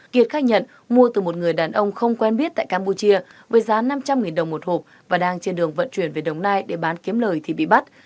kiệt khai nhận mua từ một người đàn ông không quen biết tại campuchia với giá năm trăm linh đồng một hộp và đang trên đường vận chuyển về đồng nai để bán kiếm lời thì bị bắt